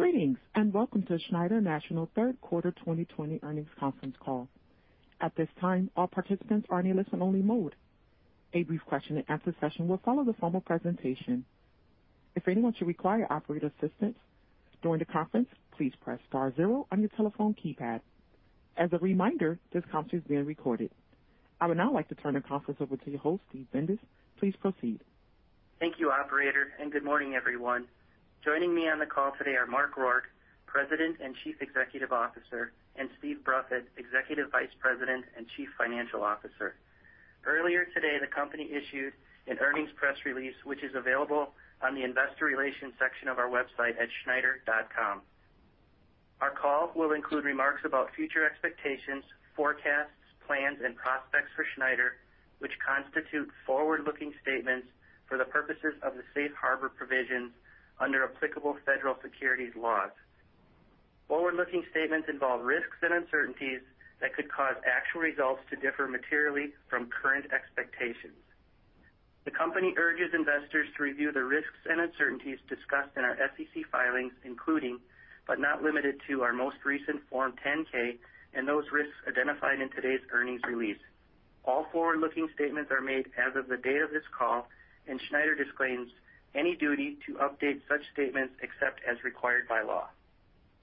Greetings, and welcome to Schneider National third quarter 2020 earnings conference call. At this time, all participants are in a listen-only mode. A brief question-and-answer session will follow the formal presentation. If anyone should require operator assistance during the conference, please press star zero on your telephone keypad. As a reminder, this conference is being recorded. I would now like to turn the conference over to your host, Steve Bindas. Please proceed. Thank you, operator, and good morning, everyone. Joining me on the call today are Mark Rourke, President and Chief Executive Officer, and Steve Bruffett, Executive Vice President and Chief Financial Officer. Earlier today, the company issued an earnings press release, which is available on the investor relations section of our website at schneider.com. Our call will include remarks about future expectations, forecasts, plans, and prospects for Schneider, which constitute forward-looking statements for the purposes of the safe harbor provisions under applicable federal securities laws. Forward-looking statements involve risks and uncertainties that could cause actual results to differ materially from current expectations. The company urges investors to review the risks and uncertainties discussed in our SEC filings, including, but not limited to, our most recent Form 10-K and those risks identified in today's earnings release. All forward-looking statements are made as of the day of this call, and Schneider disclaims any duty to update such statements except as required by law.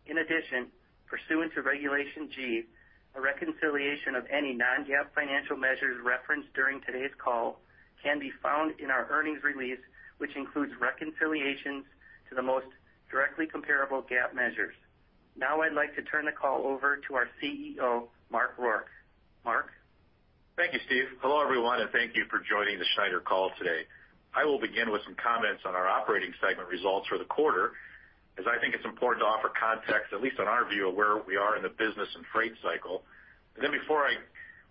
In addition, pursuant to Regulation G, a reconciliation of any non-GAAP financial measures referenced during today's call can be found in our earnings release, which includes reconciliations to the most directly comparable GAAP measures. Now I'd like to turn the call over to our CEO, Mark Rourke. Mark? Thank you, Steve. Hello, everyone, and thank you for joining the Schneider call today. I will begin with some comments on our operating segment results for the quarter, as I think it's important to offer context, at least on our view of where we are in the business and freight cycle. Then before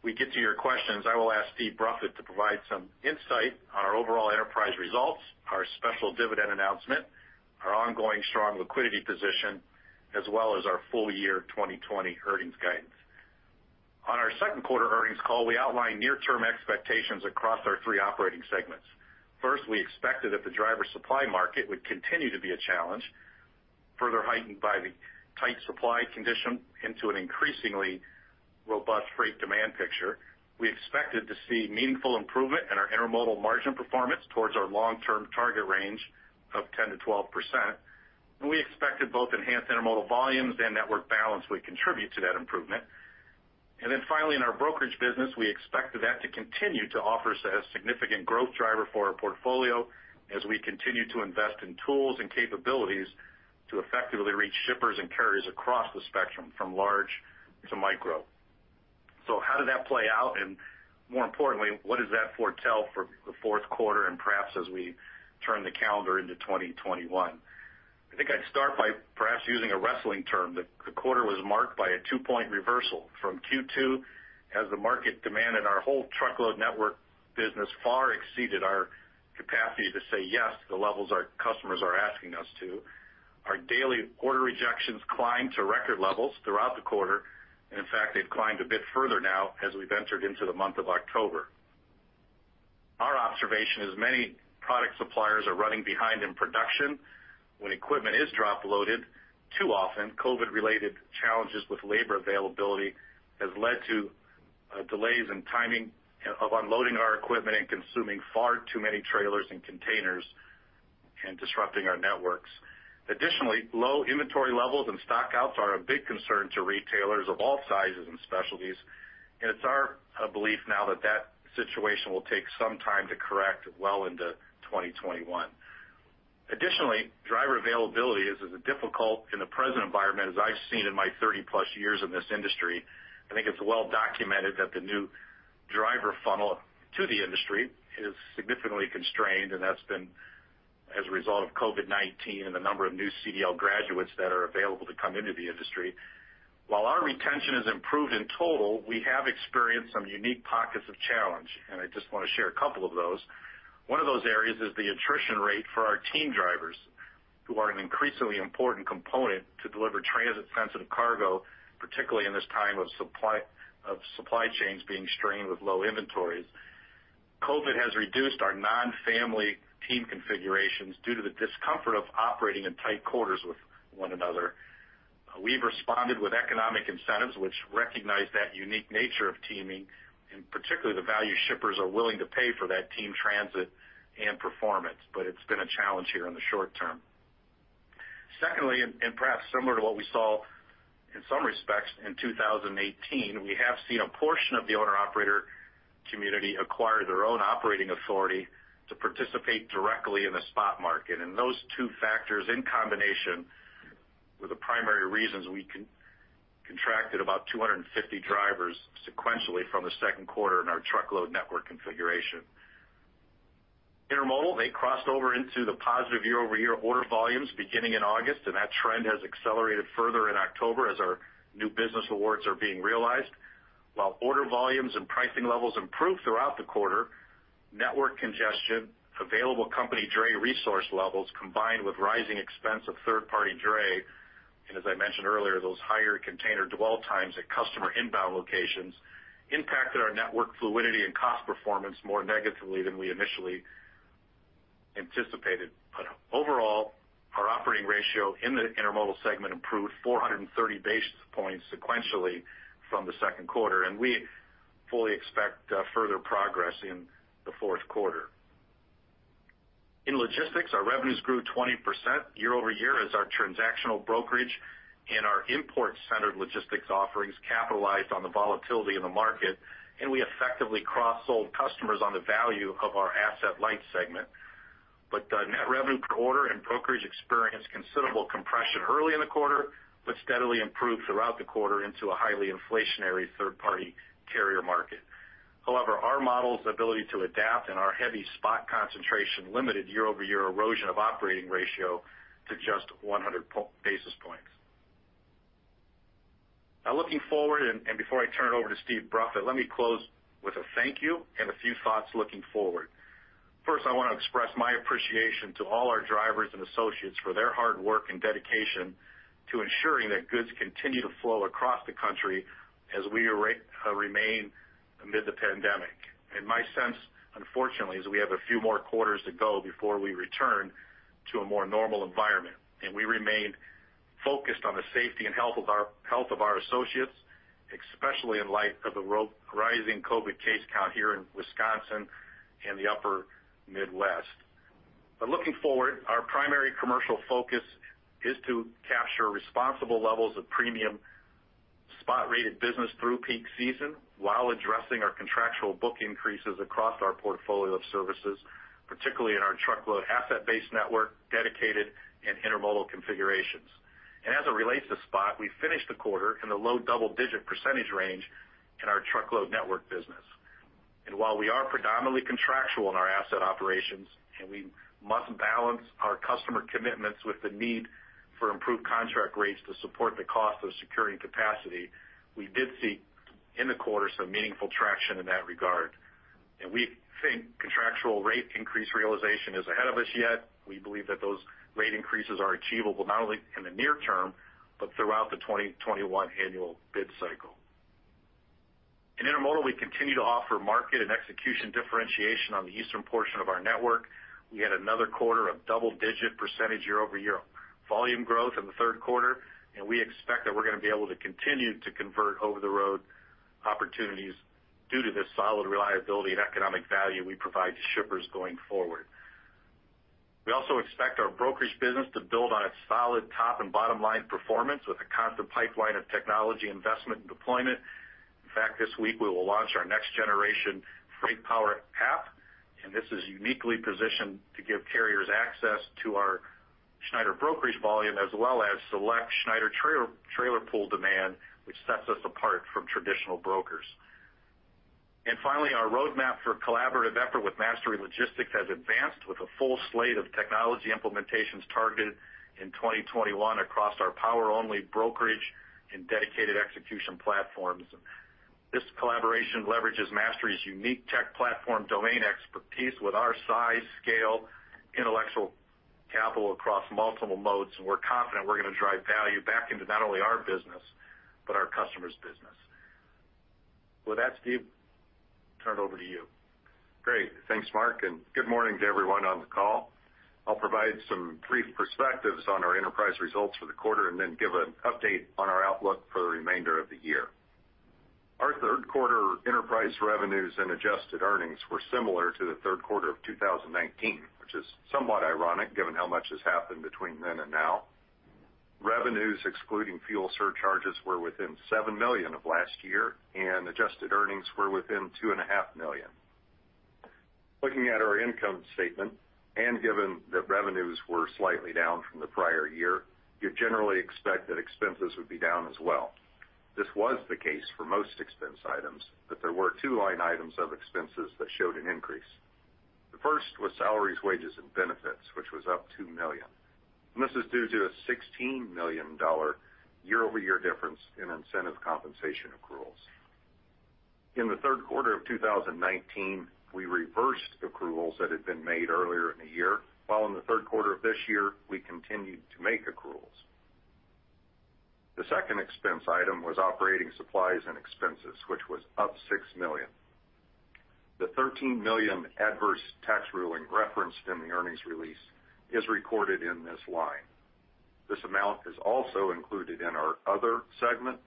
we get to your questions, I will ask Steve Bruffett to provide some insight on our overall enterprise results, our special dividend announcement, our ongoing strong liquidity position, as well as our full-year 2020 earnings guidance. On our second quarter earnings call, we outlined near-term expectations across our three operating segments. First, we expected that the driver supply market would continue to be a challenge, further heightened by the tight supply condition into an increasingly robust freight demand picture. We expected to see meaningful improvement in our intermodal margin performance towards our long-term target range of 10%-12%, and we expected both enhanced intermodal volumes and network balance would contribute to that improvement. And then finally, in our brokerage business, we expected that to continue to offer us a significant growth driver for our portfolio as we continue to invest in tools and capabilities to effectively reach shippers and carriers across the spectrum, from large to micro. So how did that play out? And more importantly, what does that foretell for the fourth quarter and perhaps as we turn the calendar into 2021? I think I'd start by perhaps using a wrestling term. The quarter was marked by a 2-point reversal from Q2, as the market demand in our whole truckload network business far exceeded our capacity to say yes to the levels our customers are asking us to. Our daily order rejections climbed to record levels throughout the quarter, and in fact, they've climbed a bit further now as we've entered into the month of October. Our observation is many product suppliers are running behind in production. When equipment is drop loaded, too often, COVID-related challenges with labor availability has led to delays in timing of unloading our equipment, and consuming far too many trailers and containers and disrupting our networks. Additionally, low inventory levels and stockouts are a big concern to retailers of all sizes and specialties, and it's our belief now that that situation will take some time to correct well into 2021. Additionally, driver availability is as difficult in the present environment as I've seen in my 30+ years in this industry. I think it's well documented that the new driver funnel to the industry is significantly constrained, and that's been as a result of COVID-19 and the number of new CDL graduates that are available to come into the industry. While our retention has improved in total, we have experienced some unique pockets of challenge, and I just want to share a couple of those. One of those areas is the attrition rate for our team drivers, who are an increasingly important component to deliver transit-sensitive cargo, particularly in this time of supply chains being strained with low inventories. COVID has reduced our non-family team configurations due to the discomfort of operating in tight quarters with one another. We've responded with economic incentives, which recognize that unique nature of teaming, and particularly the value shippers are willing to pay for that team transit and performance, but it's been a challenge here in the short term. Secondly, and perhaps similar to what we saw in some respects in 2018, we have seen a portion of the owner-operator community acquire their own operating authority to participate directly in the spot market. And those two factors, in combination, were the primary reasons we contracted about 250 drivers sequentially from the second quarter in our truckload network configuration. Intermodal, they crossed over into the positive year-over-year order volumes beginning in August, and that trend has accelerated further in October as our new business awards are being realized. While order volumes and pricing levels improved throughout the quarter, network congestion, available company dray resource levels, combined with rising expense of third-party dray, and as I mentioned earlier, those higher container dwell times at customer inbound locations impacted our network fluidity and cost performance more negatively than we initially anticipated. But overall, our operating ratio in the intermodal segment improved 400 basis points sequentially from the second quarter, and we fully expect further progress in the fourth quarter. In logistics, our revenues grew 20% year-over-year as our transactional brokerage and our import-centered logistics offerings capitalized on the volatility in the market, and we effectively cross-sold customers on the value of our asset-light segment. But net revenue per order and brokerage experienced considerable compression early in the quarter, but steadily improved throughout the quarter into a highly inflationary third-party carrier market. However, our model's ability to adapt and our heavy spot concentration limited year-over-year erosion of operating ratio to just 100 basis points. Now looking forward, and before I turn it over to Steve Bruffett, let me close with a thank you and a few thoughts looking forward. First, I want to express my appreciation to all our drivers and associates for their hard work and dedication to ensuring that goods continue to flow across the country as we remain amid the pandemic. And my sense, unfortunately, is we have a few more quarters to go before we return to a more normal environment, and we remain focused on the safety and health of our associates, especially in light of the rising COVID case count here in Wisconsin and the upper Midwest. Looking forward, our primary commercial focus is to capture responsible levels of premium spot-rated business through peak season while addressing our contractual book increases across our portfolio of services, particularly in our truckload, asset-based network, dedicated, and intermodal configurations. As it relates to spot, we finished the quarter in the low double-digit percentage range in our truckload network business. While we are predominantly contractual in our asset operations, and we must balance our customer commitments with the need for improved contract rates to support the cost of securing capacity, we did see in the quarter some meaningful traction in that regard. We think contractual rate increase realization is ahead of us, yet we believe that those rate increases are achievable, not only in the near term, but throughout the 2021 annual bid cycle. In intermodal, we continue to offer market and execution differentiation on the eastern portion of our network. We had another quarter of double-digit percentage year-over-year volume growth in the third quarter, and we expect that we're going to be able to continue to convert over-the-road opportunities due to the solid reliability and economic value we provide to shippers going forward. We also expect our brokerage business to build on its solid top and bottom line performance with a constant pipeline of technology investment and deployment. In fact, this week, we will launch our next-generation FreightPower app, and this is uniquely positioned to give carriers access to our Schneider brokerage volume, as well as select Schneider trailer pool demand, which sets us apart from traditional brokers. Finally, our roadmap for collaborative effort with Mastery Logistics has advanced with a full slate of technology implementations targeted in 2021 across our power-only brokerage and dedicated execution platforms. This collaboration leverages Mastery's unique tech platform domain expertise with our size, scale, intellectual capital across multiple modes, and we're confident we're going to drive value back into not only our business, but our customers' business. With that, Steve, turn it over to you. Great. Thanks, Mark, and good morning to everyone on the call. I'll provide some brief perspectives on our enterprise results for the quarter and then give an update on our outlook for the remainder of the year. Our third-quarter enterprise revenues and adjusted earnings were similar to the third quarter of 2019, which is somewhat ironic given how much has happened between then and now. Revenues, excluding fuel surcharges, were within $7 million of last year, and adjusted earnings were within $2.5 million. Looking at our income statement, and given that revenues were slightly down from the prior year, you generally expect that expenses would be down as well. This was the case for most expense items, but there were two line items of expenses that showed an increase. The first was salaries, wages, and benefits, which was up $2 million, and this is due to a $16 million year-over-year difference in incentive compensation accruals. In the third quarter of 2019, we reversed accruals that had been made earlier in the year, while in the third quarter of this year, we continued to make accruals. The second expense item was operating supplies and expenses, which was up $6 million. The $13 million adverse tax ruling referenced in the earnings release is recorded in this line. This amount is also included in our other segment,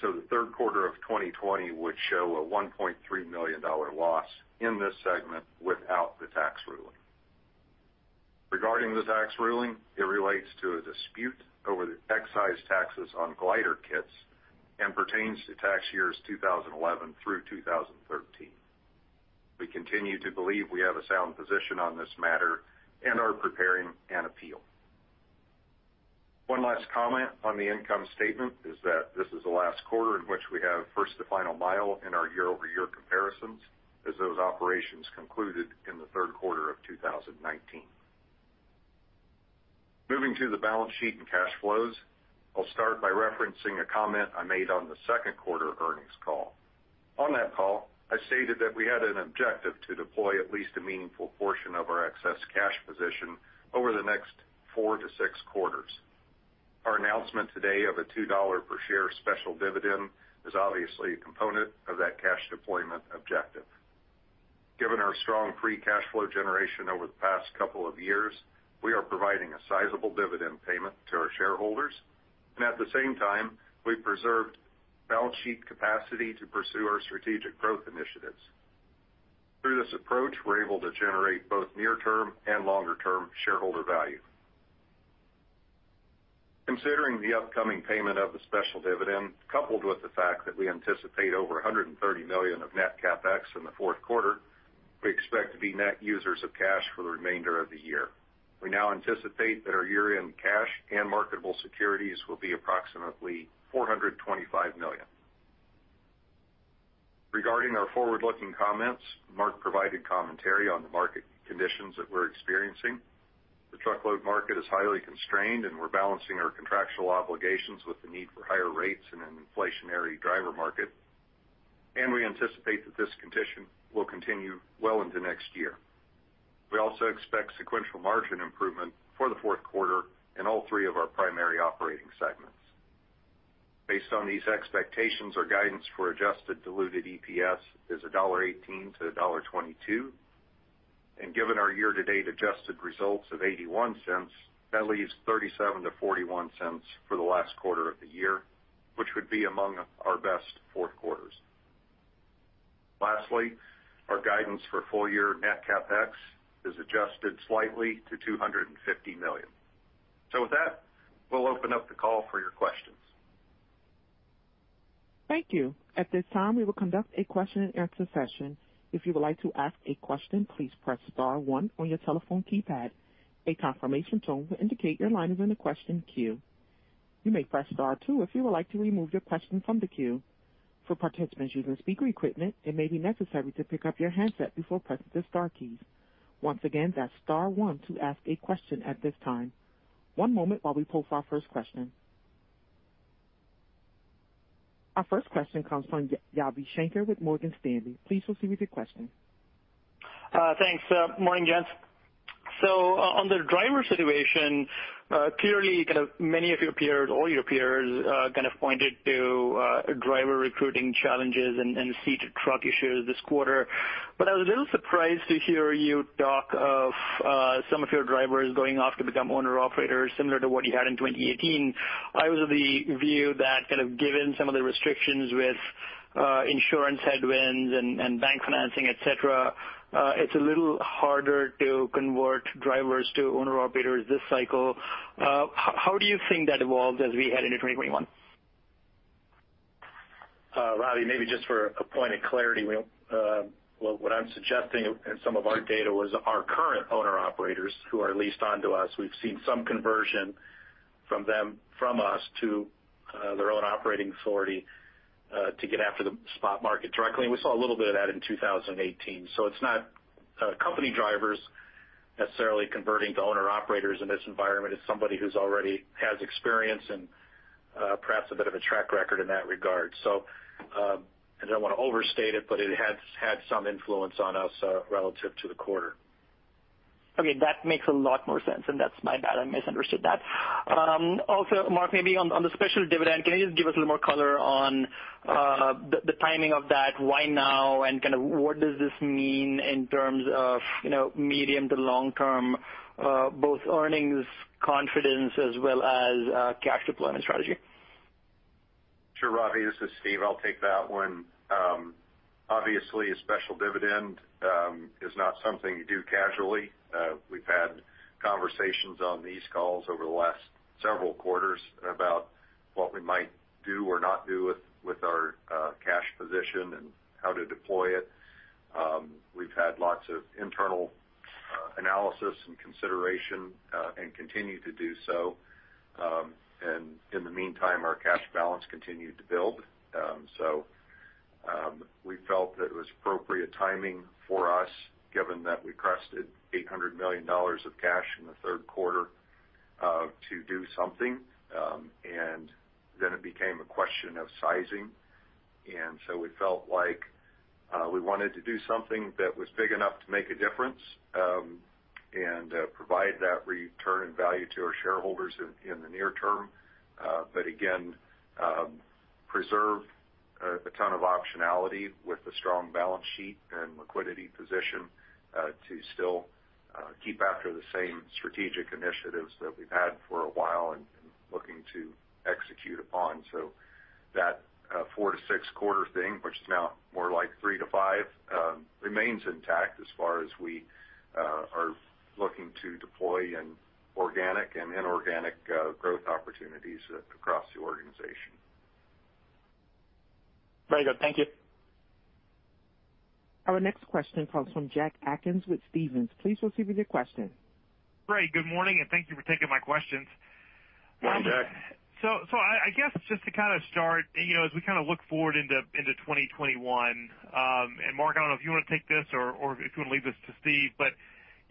so the third quarter of 2020 would show a $1.3 million loss in this segment without the tax ruling. Regarding the tax ruling, it relates to a dispute over the excise taxes on glider kits and pertains to tax years 2011 through 2013. We continue to believe we have a sound position on this matter and are preparing an appeal. One last comment on the income statement is that this is the last quarter in which we have First to Final Mile in our year-over-year comparisons, as those operations concluded in the third quarter of 2019. Moving to the balance sheet and cash flows, I'll start by referencing a comment I made on the second quarter earnings call... On that call, I stated that we had an objective to deploy at least a meaningful portion of our excess cash position over the next 4-6 quarters. Our announcement today of a $2 per share special dividend is obviously a component of that cash deployment objective. Given our strong free cash flow generation over the past couple of years, we are providing a sizable dividend payment to our shareholders, and at the same time, we preserved balance sheet capacity to pursue our strategic growth initiatives. Through this approach, we're able to generate both near-term and longer-term shareholder value. Considering the upcoming payment of the special dividend, coupled with the fact that we anticipate over $130 million of net CapEx in the fourth quarter, we expect to be net users of cash for the remainder of the year. We now anticipate that our year-end cash and marketable securities will be approximately $425 million. Regarding our forward-looking comments, Mark provided commentary on the market conditions that we're experiencing. The truckload market is highly constrained, and we're balancing our contractual obligations with the need for higher rates in an inflationary driver market, and we anticipate that this condition will continue well into next year. We also expect sequential margin improvement for the fourth quarter in all three of our primary operating segments. Based on these expectations, our guidance for adjusted diluted EPS is $1.18-$1.22, and given our year-to-date adjusted results of $0.81, that leaves $0.37-$0.41 for the last quarter of the year, which would be among our best fourth quarters. Lastly, our guidance for full-year net CapEx is adjusted slightly to $250 million. So with that, we'll open up the call for your questions. Thank you. At this time, we will conduct a question-and-answer session. If you would like to ask a question, please press star one on your telephone keypad. A confirmation tone will indicate your line is in the question queue. You may press star two if you would like to remove your question from the queue. For participants using speaker equipment, it may be necessary to pick up your handset before pressing the star keys. Once again, that's star one to ask a question at this time. One moment while we pull our first question. Our first question comes from Ravi Shanker with Morgan Stanley. Please proceed with your question. Thanks. Morning, gents. So on the driver situation, clearly, kind of many of your peers, all your peers, kind of pointed to driver recruiting challenges and seated truck issues this quarter. But I was a little surprised to hear you talk of some of your drivers going off to become owner-operators, similar to what you had in 2018. I was of the view that, kind of, given some of the restrictions with insurance headwinds and bank financing, et cetera, it's a little harder to convert drivers to owner-operators this cycle. How do you think that evolved as we head into 2021? Ravi, maybe just for a point of clarity, we, well, what I'm suggesting in some of our data was our current owner-operators who are leased onto us. We've seen some conversion from them, from us to their own operating authority to get after the spot market directly, and we saw a little bit of that in 2018. So it's not company drivers necessarily converting to owner-operators in this environment, it's somebody who's already has experience and perhaps a bit of a track record in that regard. So, I don't want to overstate it, but it has had some influence on us relative to the quarter. Okay, that makes a lot more sense, and that's my bad. I misunderstood that. Also, Mark, maybe on the special dividend, can you just give us a little more color on the timing of that? Why now? And kind of what does this mean in terms of, you know, medium to long term, both earnings confidence as well as cash deployment strategy? Sure, Ravi, this is Steve. I'll take that one. Obviously, a special dividend is not something you do casually. We've had conversations on these calls over the last several quarters about what we might do or not do with our cash position and how to deploy it. We've had lots of internal analysis and consideration, and continue to do so. And in the meantime, our cash balance continued to build. So, we felt that it was appropriate timing for us, given that we crested $800 million of cash in the third quarter, to do something. And then it became a question of sizing, and so we felt like, we wanted to do something that was big enough to make a difference, and, provide that return and value to our shareholders in, in the near term. But again, preserve, a ton of optionality with a strong balance sheet and liquidity position, to still, keep after the same strategic initiatives that we've had for a while and looking to execute upon. So that, 4-6 quarter thing, which is now more like 3-5, remains intact as far as we, are looking to deploy in organic and inorganic, growth opportunities across the organization. Very good. Thank you. Our next question comes from Jack Atkins with Stephens. Please proceed with your question. Great, good morning, and thank you for taking my questions. So, I guess just to kind of start, you know, as we kind of look forward into 2021, and Mark, I don't know if you want to take this or if you want to leave this to Steve, but,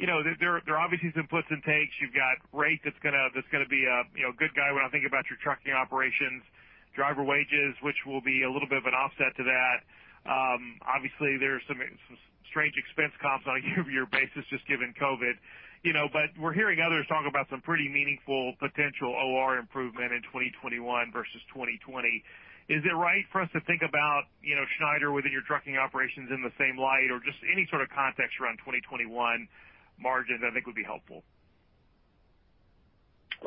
you know, there are obviously some puts and takes. You've got rate that's going to be a, you know, good guy when I think about your trucking operations, driver wages, which will be a little bit of an offset to that. Obviously, there are some strange expense comps on a year-over-year basis, just given COVID. You know, but we're hearing others talk about some pretty meaningful potential OR improvement in 2021 versus 2020. Is it right for us to think about, you know, Schneider within your trucking operations in the same light, or just any sort of context around 2021 margins, I think would be helpful?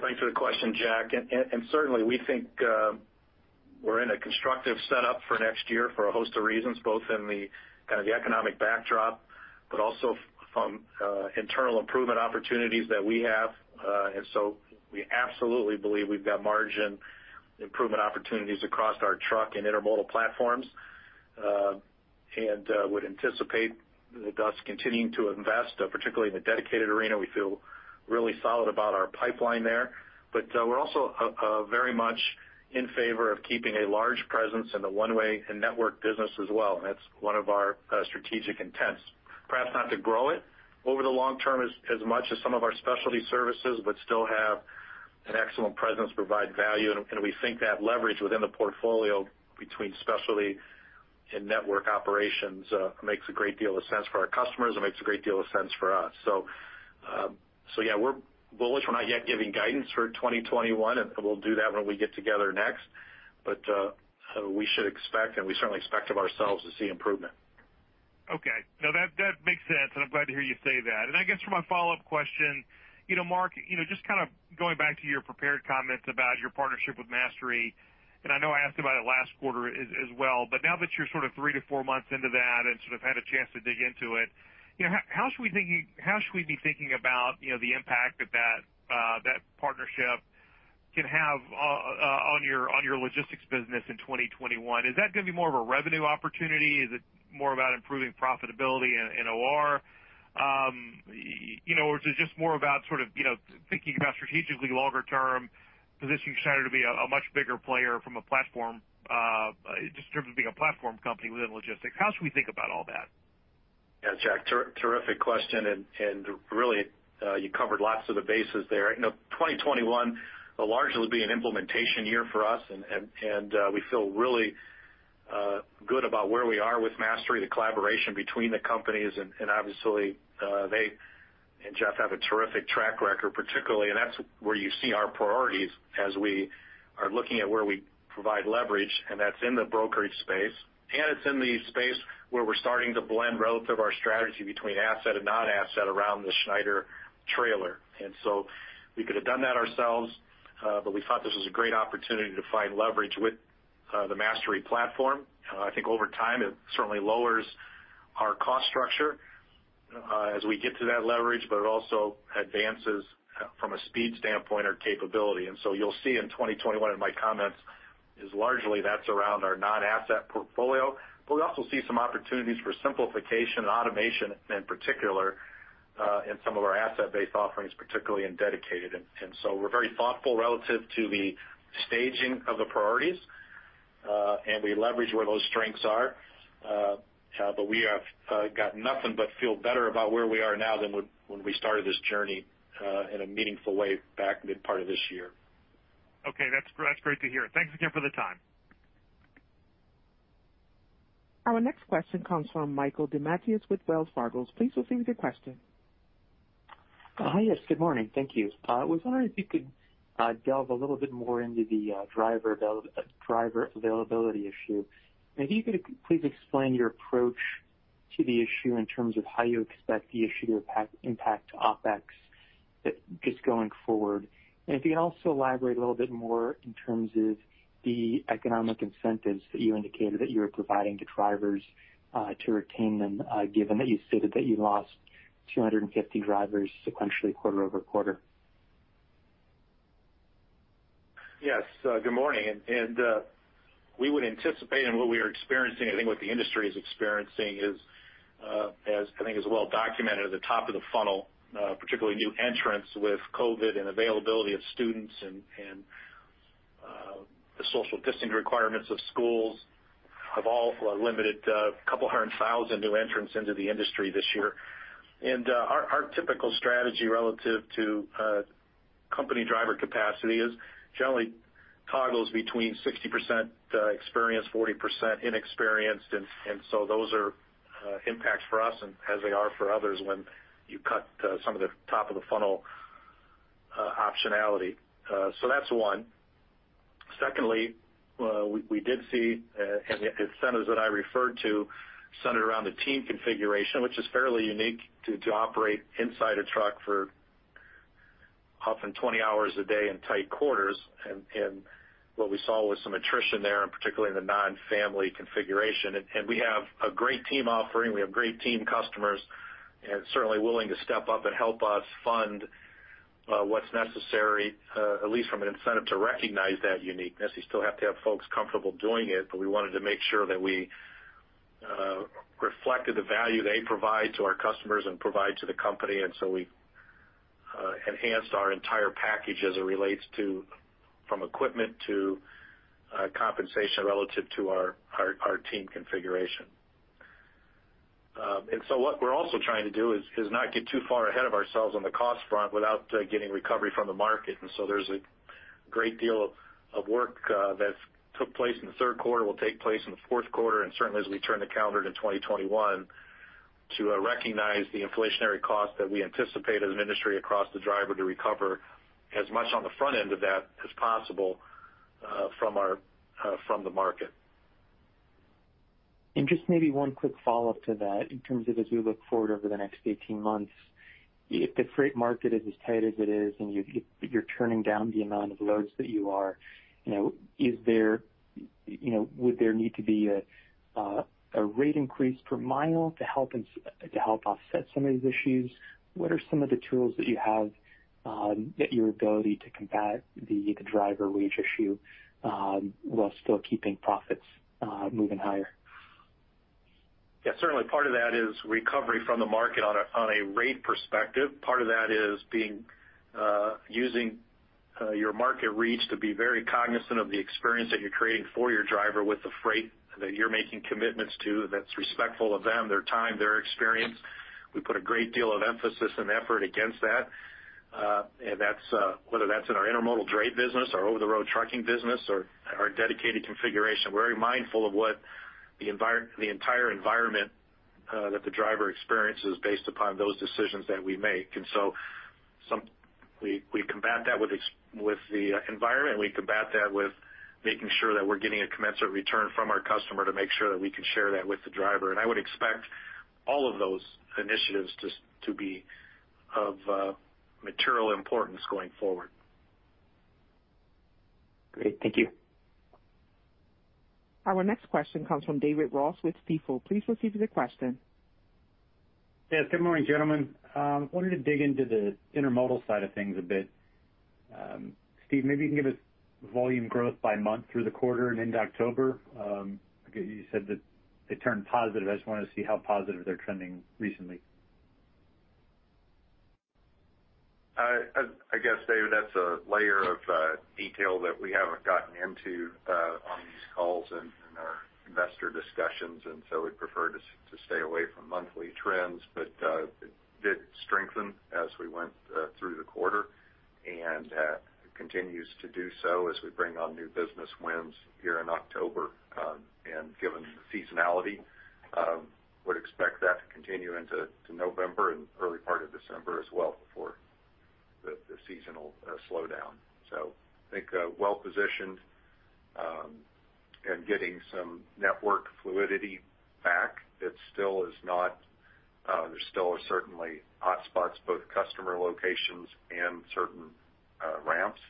Thanks for the question, Jack. And certainly we think we're in a constructive setup for next year for a host of reasons, both in the kind of the economic backdrop, but also from internal improvement opportunities that we have. And so we absolutely believe we've got margin improvement opportunities across our truck and intermodal platforms, and would anticipate thus continuing to invest, particularly in the dedicated arena. We feel really solid about our pipeline there, but we're also very much in favor of keeping a large presence in the one-way and network business as well, and that's one of our strategic intents. Perhaps not to grow it over the long term as much as some of our specialty services, but still have an excellent presence, provide value, and we think that leverage within the portfolio between specialty and network operations makes a great deal of sense for our customers, and makes a great deal of sense for us. So yeah, we're bullish. We're not yet giving guidance for 2021, and we'll do that when we get together next. But we should expect, and we certainly expect of ourselves, to see improvement. Okay. No, that, that makes sense, and I'm glad to hear you say that. And I guess for my follow-up question, you know, Mark, you know, just kind of going back to your prepared comments about your partnership with Mastery, and I know I asked about it last quarter as, as well. But now that you're sort of 3-4 months into that and sort of had a chance to dig into it, you know, how should we be thinking about, you know, the impact that that, that partnership can have, on your, on your logistics business in 2021? Is that going to be more of a revenue opportunity? Is it more about improving profitability and, and OR? You know, or is it just more about sort of, you know, thinking about strategically, longer term, positioning Schneider to be a, a much bigger player from a platform, just in terms of being a platform company within logistics? How should we think about all that? Yeah, Jack, terrific question, and, and really, you covered lots of the bases there. You know, 2021 will largely be an implementation year for us, and, and, and, we feel really good about where we are with Mastery, the collaboration between the companies, and, and obviously, they and Jeff have a terrific track record, particularly, and that's where you see our priorities as we are looking at where we provide leverage, and that's in the brokerage space, and it's in the space where we're starting to blend relative our strategy between asset and non-asset around the Schneider trailer. And so we could have done that ourselves, but we thought this was a great opportunity to find leverage with, the Mastery platform. I think over time, it certainly lowers our cost structure, as we get to that leverage, but it also advances, from a speed standpoint, our capability. And so you'll see in 2021, in my comments, is largely that's around our non-asset portfolio. But we also see some opportunities for simplification and automation, in particular, in some of our asset-based offerings, particularly in dedicated. And so we're very thoughtful relative to the staging of the priorities, and we leverage where those strengths are. But we have got nothing but feel better about where we are now than when we started this journey, in a meaningful way back mid part of this year. Okay. That's, that's great to hear. Thanks again for the time. Our next question comes from Michael DiMattia with Wells Fargo. Please proceed with your question. Hi, yes, good morning. Thank you. Was wondering if you could delve a little bit more into the driver availability issue. If you could please explain your approach to the issue in terms of how you expect the issue to impact OpEx just going forward. If you can also elaborate a little bit more in terms of the economic incentives that you indicated that you were providing to drivers to retain them, given that you stated that you lost 250 drivers sequentially quarter-over-quarter. Yes. Good morning. And we would anticipate and what we are experiencing, I think what the industry is experiencing is, as I think is well documented at the top of the funnel, particularly new entrants with COVID and availability of students and the social distancing requirements of schools have all limited 200,000 new entrants into the industry this year. And our typical strategy relative to company driver capacity is generally toggles between 60%, experienced, 40% inexperienced, and so those are impacts for us and as they are for others, when you cut some of the top-of-the-funnel optionality. So that's one. Secondly, we did see, and the incentives that I referred to centered around the team configuration, which is fairly unique to operate inside a truck for often 20 hours a day in tight quarters. What we saw was some attrition there, and particularly in the non-family configuration. We have a great team offering, we have great team customers, and certainly willing to step up and help us fund what's necessary, at least from an incentive to recognize that uniqueness. You still have to have folks comfortable doing it, but we wanted to make sure that we reflected the value they provide to our customers and provide to the company. And so we enhanced our entire package as it relates to, from equipment to compensation relative to our team configuration. And so what we're also trying to do is not get too far ahead of ourselves on the cost front without getting recovery from the market. And so there's a great deal of work that took place in the third quarter, will take place in the fourth quarter, and certainly as we turn the calendar to 2021, to recognize the inflationary cost that we anticipate as an industry across the driver to recover as much on the front end of that as possible, from our, from the market. Just maybe one quick follow-up to that in terms of as you look forward over the next 18 months, if the freight market is as tight as it is, and you, you, you're turning down the amount of loads that you are, you know, is there, you know, would there need to be a rate increase per mile to help offset some of these issues? What are some of the tools that you have at your ability to combat the driver wage issue while still keeping profits moving higher? Yeah, certainly, part of that is recovery from the market on a rate perspective. Part of that is being using your market reach to be very cognizant of the experience that you're creating for your driver with the freight that you're making commitments to, that's respectful of them, their time, their experience. We put a great deal of emphasis and effort against that, and that's whether that's in our Intermodal dray business, our over-the-road trucking business, or our dedicated configuration. We're very mindful of what the environment, the entire environment, that the driver experiences based upon those decisions that we make. And so we combat that with the environment, we combat that with making sure that we're getting a commensurate return from our customer to make sure that we can share that with the driver. I would expect all of those initiatives to be of material importance going forward. Great. Thank you. Our next question comes from David Ross with Stifel. Please proceed with your question. Yes, good morning, gentlemen. Wanted to dig into the intermodal side of things a bit. Steve, maybe you can give us volume growth by month through the quarter and into October. You said that it turned positive. I just wanted to see how positive they're trending recently. I guess, David, that's a layer of detail that we haven't gotten into on these calls and our investor discussions, and so we prefer to stay away from monthly trends, but it did strengthen as we went through the quarter and continues to do so as we bring on new business wins here in October. And given the seasonality, would expect that to continue into November and early part of December as well, before the seasonal slowdown. So I think well-positioned and getting some network fluidity back. It still is not; there still are certainly hotspots, both customer locations and certain ramps,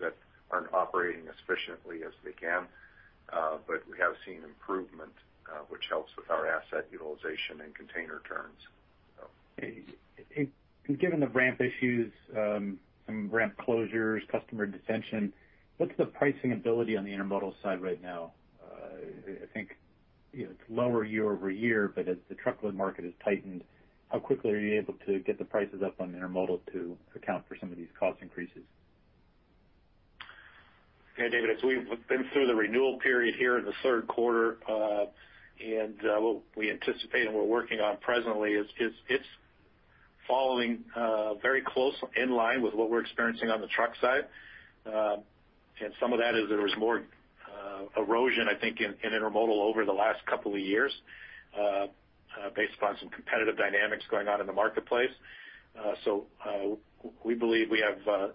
that aren't operating as efficiently as they can. But we have seen improvement, which helps with our asset utilization and container turns, so. Given the ramp issues, some ramp closures, customer dissension, what's the pricing ability on the intermodal side right now? I think, you know, it's lower year-over-year, but as the truckload market has tightened, how quickly are you able to get the prices up on intermodal to account for some of these cost increases? Yeah, David, as we've been through the renewal period here in the third quarter, and what we anticipate and we're working on presently is it's following very close in line with what we're experiencing on the truck side. And some of that is there was more erosion, I think, in intermodal over the last couple of years, based upon some competitive dynamics going on in the marketplace. So we believe we have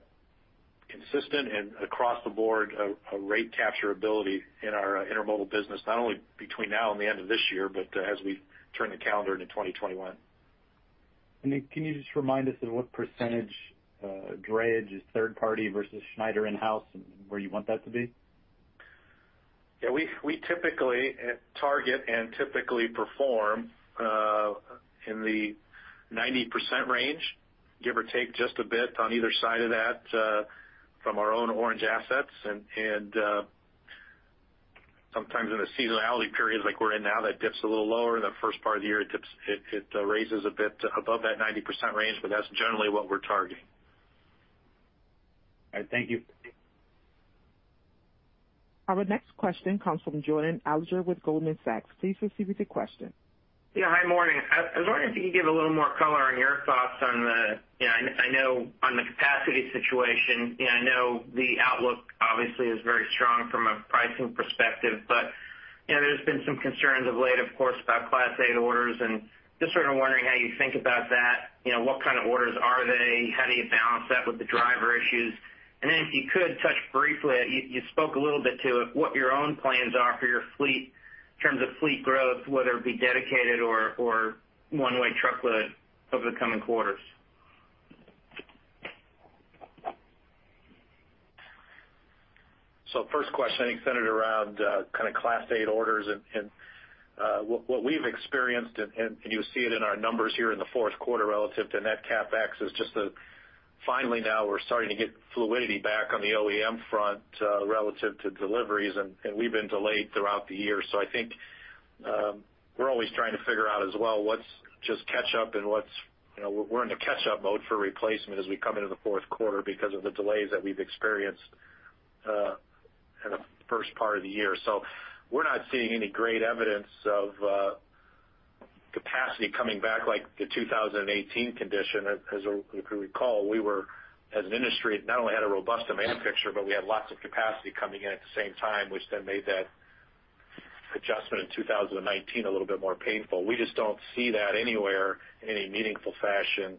consistent and across the board, a rate capture ability in our intermodal business, not only between now and the end of this year, but as we turn the calendar into 2021. And then can you just remind us of what percentage drayage is third party versus Schneider in-house, and where you want that to be? Yeah, we typically target and typically perform in the 90% range, give or take just a bit on either side of that, from our own orange assets. Sometimes in the seasonality periods like we're in now, that dips a little lower. In the first part of the year, it dips, it raises a bit above that 90% range, but that's generally what we're targeting. All right. Thank you. Our next question comes from Jordan Alliger with Goldman Sachs. Please proceed with your question. Yeah, hi. Morning. I was wondering if you could give a little more color on your thoughts on the, you know, I know on the capacity situation, and I know the outlook obviously is very strong from a pricing perspective, but, you know, there's been some concerns of late, of course, about Class 8 orders, and just sort of wondering how you think about that. You know, what kind of orders are they? How do you balance that with the driver issues? And then if you could touch briefly, you spoke a little bit to what your own plans are for your fleet in terms of fleet growth, whether it be dedicated or one-way truckload over the coming quarters. So first question, I think, centered around kind of Class 8 orders. And what we've experienced, and you'll see it in our numbers here in the fourth quarter relative to net CapEx, is just finally now we're starting to get fluidity back on the OEM front relative to deliveries, and we've been delayed throughout the year. So I think, we're always trying to figure out as well what's just catch up and what's, you know, we're in the catch-up mode for replacement as we come into the fourth quarter because of the delays that we've experienced in the first part of the year. So we're not seeing any great evidence of capacity coming back like the 2018 condition. As, as you can recall, we were, as an industry, not only had a robust demand picture, but we had lots of capacity coming in at the same time, which then made that adjustment in 2019 a little bit more painful. We just don't see that anywhere in a meaningful fashion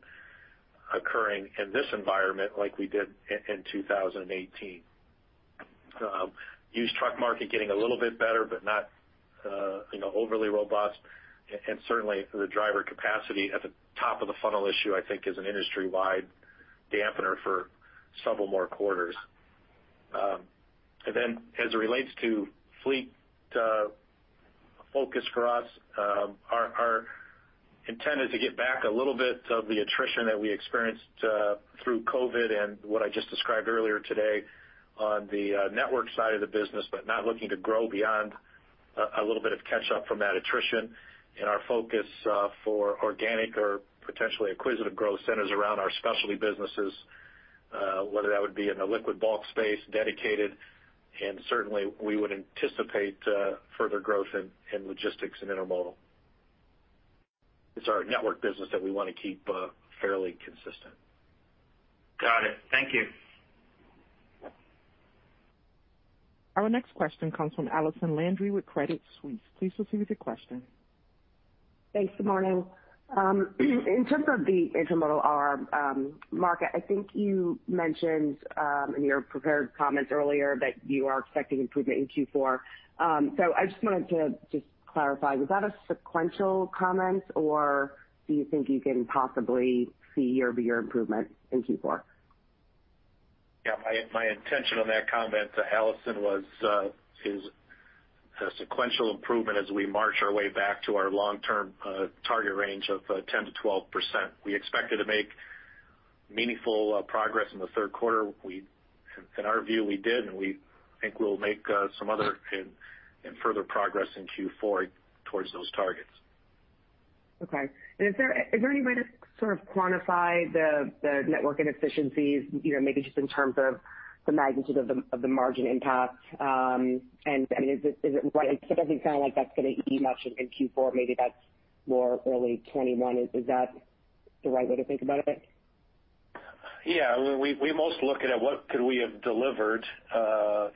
occurring in this environment like we did in 2018. Used truck market getting a little bit better, but not, you know, overly robust. And certainly, the driver capacity at the top of the funnel issue, I think is an industry-wide dampener for several more quarters. And then as it relates to fleet focus for us, our, our intent is to get back a little bit of the attrition that we experienced through COVID and what I just described earlier today on the network side of the business, but not looking to grow beyond a little bit of catch up from that attrition. And our focus for organic or potentially acquisitive growth centers around our specialty businesses, whether that would be in the liquid bulk space, dedicated, and certainly we would anticipate further growth in, in logistics and intermodal. It's our network business that we want to keep fairly consistent. Got it. Thank you. Our next question comes from Allison Landry with Credit Suisse. Please proceed with your question. Thanks. Good morning. In terms of the intermodal arm, Mark, I think you mentioned in your prepared comments earlier that you are expecting improvement in Q4. So I just wanted to just clarify, was that a sequential comment, or do you think you can possibly see year-over-year improvement in Q4? Yeah, my, my intention on that comment, Allison, was, is a sequential improvement as we march our way back to our long-term target range of 10%-12%. We expected to make meaningful progress in the third quarter. We, in our view, we did, and we think we'll make some other and, and further progress in Q4 towards those targets. Okay. Is there any way to sort of quantify the network inefficiencies, you know, maybe just in terms of the magnitude of the margin impact? I mean, is it right? It doesn't sound like that's going to be much in Q4. Maybe that's more early 2021. Is that the right way to think about it? Yeah, we most look at it, what could we have delivered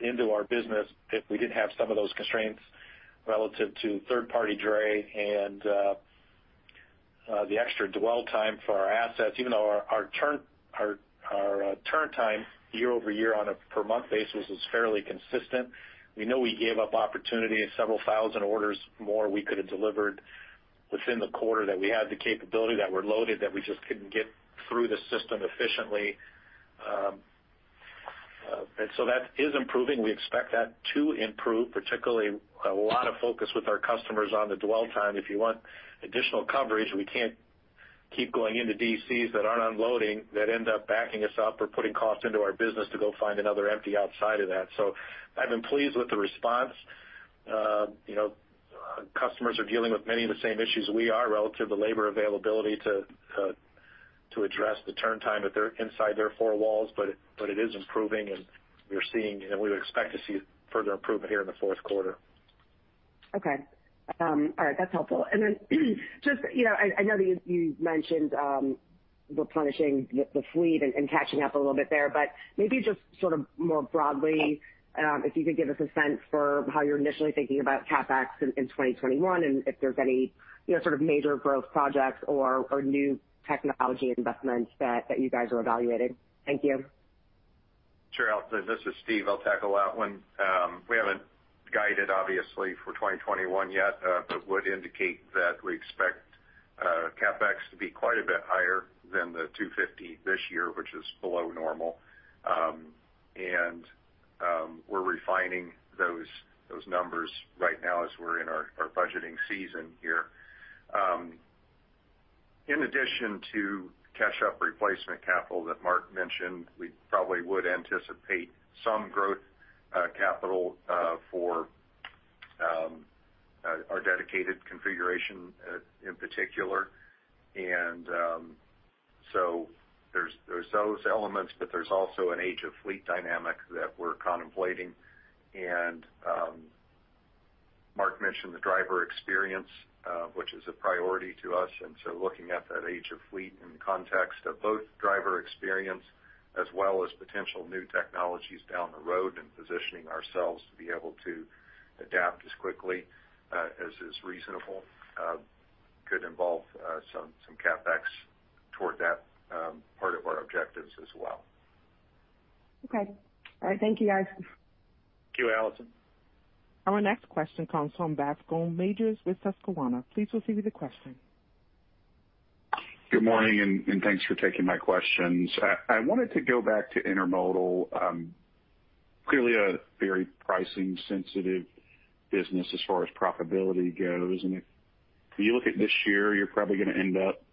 into our business if we didn't have some of those constraints relative to third-party dray and the extra dwell time for our assets, even though our turn time year-over-year on a per month basis is fairly consistent. We know we gave up opportunities, several thousand orders more we could have delivered within the quarter, that we had the capability, that were loaded, that we just couldn't get through the system efficiently. And so that is improving. We expect that to improve, particularly a lot of focus with our customers on the dwell time. If you want additional coverage, we can't keep going into DCs that aren't unloading, that end up backing us up or putting cost into our business to go find another empty outside of that. So I've been pleased with the response. You know, customers are dealing with many of the same issues we are relative to labor availability to address the turn time that they're inside their four walls, but it is improving, and we're seeing, and we would expect to see further improvement here in the fourth quarter. Okay. All right, that's helpful. And then just, you know, I know you mentioned replenishing the fleet and catching up a little bit there, but maybe just sort of more broadly, if you could give us a sense for how you're initially thinking about CapEx in 2021, and if there's any, you know, sort of major growth projects or new technology investments that you guys are evaluating. Thank you. Sure. This is Steve. I'll tackle that one. We haven't guided obviously for 2021 yet, but would indicate that we expect CapEx to be quite a bit higher than the $250 this year, which is below normal. And, we're refining those numbers right now as we're in our budgeting season here. In addition to catch-up replacement capital that Mark mentioned, we probably would anticipate some growth capital for our dedicated configuration in particular. And, so there's those elements, but there's also an age-of-fleet dynamic that we're contemplating. Mark mentioned the driver experience, which is a priority to us, and so looking at that age of fleet in the context of both driver experience as well as potential new technologies down the road, and positioning ourselves to be able to adapt as quickly as is reasonable, could involve some CapEx toward that part of our objectives as well. Okay. All right. Thank you, guys. Thank you, Allison. Our next question comes from Bascome Majors with Susquehanna. Please proceed with the question. Good morning, and thanks for taking my questions. I wanted to go back to intermodal—clearly a very pricing sensitive business as far as profitability goes, and if you look at this year, you're probably going to end up,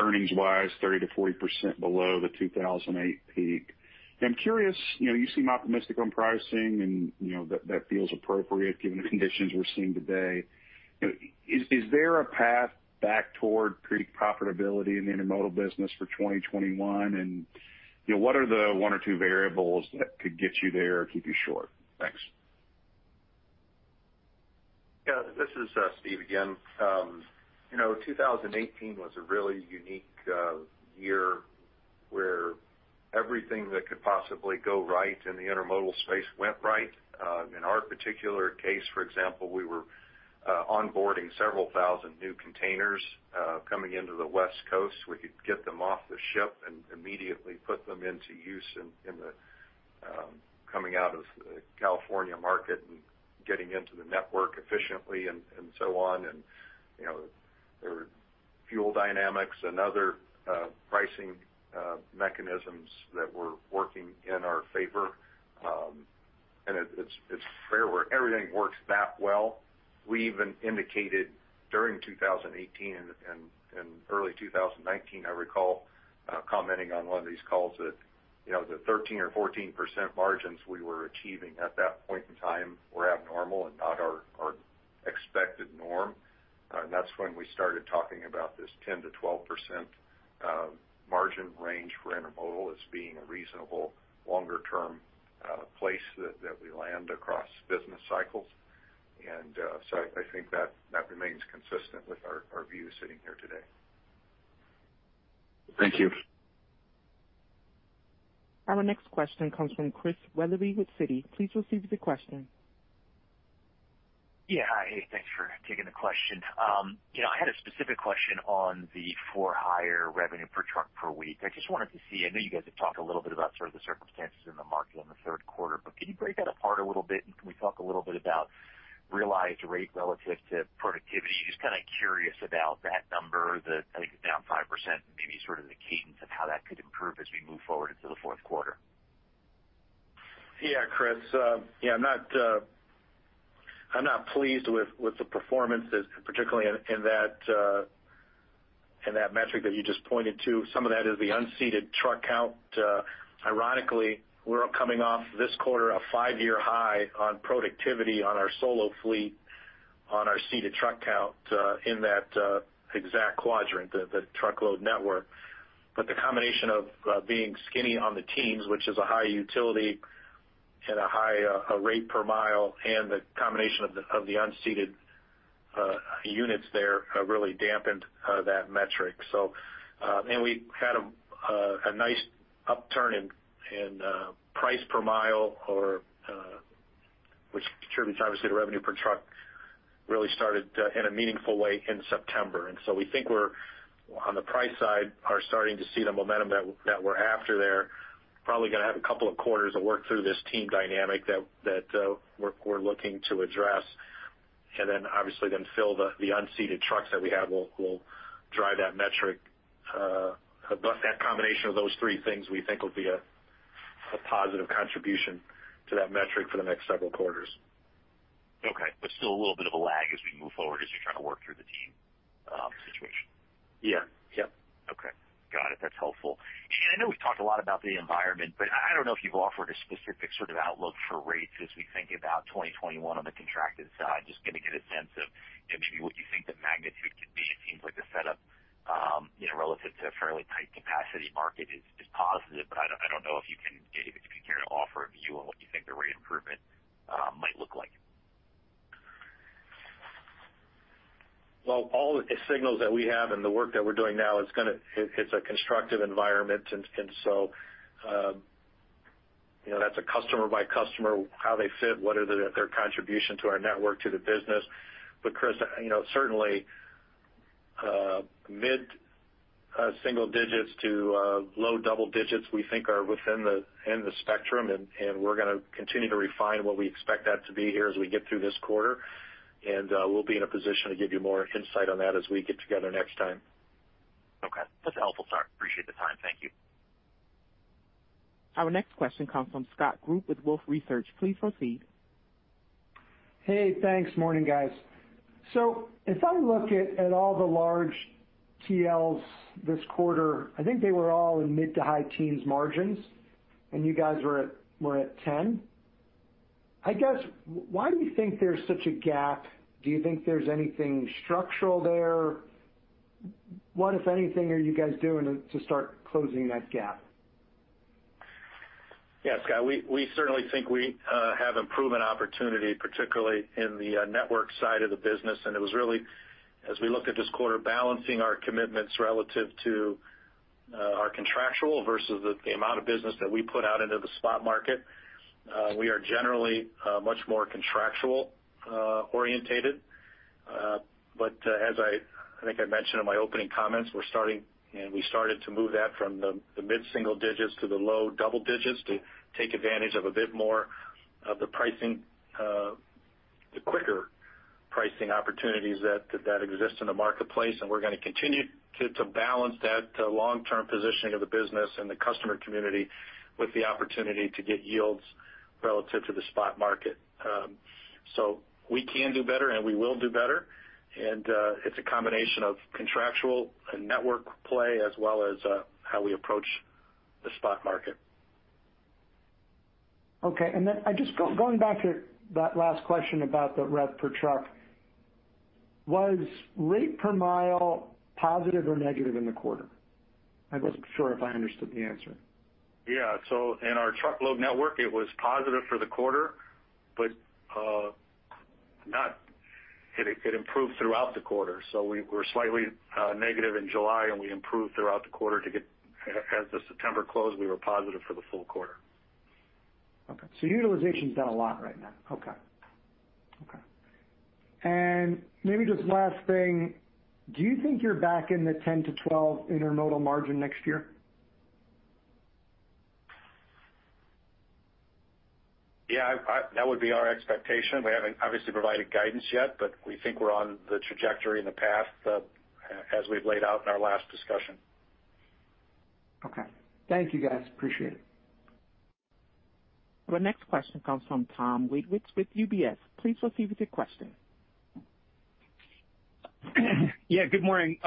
earnings-wise, 30%-40% below the 2008 peak. I'm curious, you know, you seem optimistic on pricing, and, you know, that feels appropriate given the conditions we're seeing today. Is there a path back toward creating profitability in the intermodal business for 2021? And, you know, what are the one or two variables that could get you there or keep you short? Thanks. Yeah, this is Steve again. You know, 2018 was a really unique year where everything that could possibly go right in the intermodal space went right. In our particular case, for example, we were onboarding several thousand new containers coming into the West Coast. We could get them off the ship and immediately put them into use in the coming out of the California market, and getting into the network efficiently and so on. You know, there were fuel dynamics and other pricing mechanisms that were working in our favor. And it's rare where everything works that well. We even indicated during 2018 and early 2019, I recall commenting on one of these calls that, you know, the 13% or 14% margins we were achieving at that point in time were abnormal and not our expected norm. And that's when we started talking about this 10%-12% margin range for intermodal as being a reasonable longer-term place that we land across business cycles. So I think that remains consistent with our view sitting here today. Thank you. Our next question comes from Chris Wetherbee with Citi. Please proceed with your question. Yeah. Hi, hey, thanks for taking the question. You know, I had a specific question on the for-hire revenue per truck per week. I just wanted to see, I know you guys have talked a little bit about sort of the circumstances in the market in the third quarter, but can you break that apart a little bit, and can we talk a little bit about realized rate relative to productivity? Just kind of curious about that number, that I think it's down 5%, and maybe sort of the cadence of how that could improve as we move forward into the fourth quarter. Yeah, Chris, yeah, I'm not, I'm not pleased with, with the performance, particularly in, in that, in that metric that you just pointed to. Some of that is the unseated truck count. Ironically, we're coming off this quarter, a five-year high on productivity on our solo fleet, on our seated truck count, in that, exact quadrant, the, the truckload network. But the combination of, being skinny on the teams, which is a high utility and a high rate per mile, and the combination of the, of the unseated units there, really dampened, that metric. So, and we had a, a nice upturn in price per mile, or, which contributes, obviously, to revenue per truck, really started in a meaningful way in September. And so we think we're on the price side are starting to see the momentum that we're after there. Probably going to have a couple of quarters to work through this team dynamic that we're looking to address, and then obviously fill the unseated trucks that we have will drive that metric. But that combination of those three things we think will be a positive contribution to that metric for the next several quarters. Okay, but still a little bit of a lag as we move forward, as you're trying to work through the team, situation? Yeah. Yep. Okay. Got it. That's helpful. And I know we've talked a lot about the environment, but I, I don't know if you've offered a specific sort of outlook for rates as we think about 2021 on the contracted side. Just going to get a sense of maybe what you think the magnitude could be. It seems like the setup, you know, relative to a fairly tight capacity market is, is positive, but I don't, I don't know if you can, if you care to offer a view on what you think the rate improvement might look like. Well, all the signals that we have and the work that we're doing now, it's gonna. It's a constructive environment. And so, you know, that's a customer by customer, how they fit, what are their contribution to our network, to the business. But Chris, you know, certainly mid single digits to low double digits, we think are within the spectrum, and we're gonna continue to refine what we expect that to be here as we get through this quarter. And we'll be in a position to give you more insight on that as we get together next time. Okay. That's helpful, sir. Appreciate the time. Thank you. Our next question comes from Scott Group with Wolfe Research. Please proceed. Hey, thanks. Morning, guys. So if I look at all the large TLs this quarter, I think they were all in mid- to high-teens margins, and you guys were at 10. I guess, why do you think there's such a gap? Do you think there's anything structural there? What, if anything, are you guys doing to start closing that gap? Yeah, Scott, we, we certainly think we have improvement opportunity, particularly in the network side of the business. It was really, as we looked at this quarter, balancing our commitments relative to our contractual versus the, the amount of business that we put out into the spot market. We are generally much more contractual oriented. But, as I, I think I mentioned in my opening comments, we're starting, and we started to move that from the mid-single digits to the low double digits to take advantage of a bit more of the pricing opportunities that exist in the marketplace, and we're going to continue to balance that long-term positioning of the business and the customer community with the opportunity to get yields relative to the spot market. We can do better, and we will do better. It's a combination of contractual and network play as well as how we approach the spot market. Okay. And then I just going back to that last question about the rev per truck, was rate per mile positive or negative in the quarter? I wasn't sure if I understood the answer. Yeah. So in our truckload network, it was positive for the quarter, but not. It improved throughout the quarter. So we were slightly negative in July, and we improved throughout the quarter as September closed, we were positive for the full quarter. Okay, so utilization's done a lot right now. Okay. Okay. Maybe just last thing, do you think you're back in the 10-12 intermodal margin next year? Yeah, that would be our expectation. We haven't obviously provided guidance yet, but we think we're on the trajectory and the path, as we've laid out in our last discussion. Okay. Thank you, guys. Appreciate it. Our next question comes from Thomas Wadewitz with UBS. Please proceed with your question. Yeah, good morning.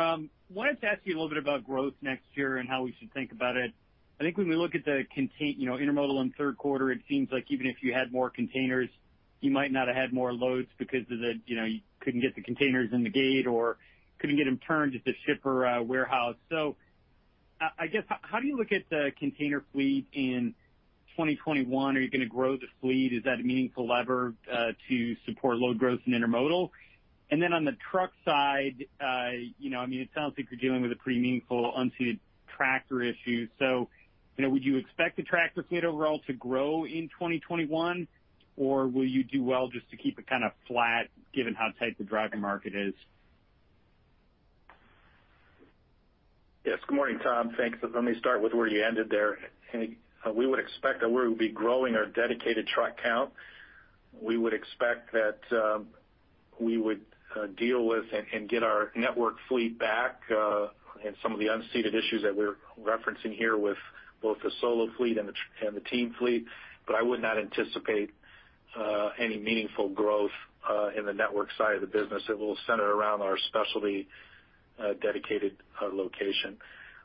Wanted to ask you a little bit about growth next year and how we should think about it. I think when we look at the container, you know, intermodal in the third quarter, it seems like even if you had more containers, you might not have had more loads because of the, you know, you couldn't get the containers in the gate or couldn't get them turned at the shipper warehouse. So I guess, how do you look at the container fleet in 2021? Are you going to grow the fleet? Is that a meaningful lever to support load growth in intermodal? And then on the truck side, you know, I mean, it sounds like you're dealing with a pretty meaningful unseated tractor issue. You know, would you expect the tractor fleet overall to grow in 2021, or will you do well just to keep it kind of flat, given how tight the driver market is? Yes. Good morning, Tom. Thanks. Let me start with where you ended there. And we would expect that we would be growing our dedicated truck count. We would expect that we would deal with and get our network fleet back, and some of the unseated issues that we're referencing here with both the solo fleet and the team fleet, but I would not anticipate any meaningful growth in the network side of the business that will center around our specialty dedicated location.